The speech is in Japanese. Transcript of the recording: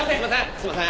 すいません。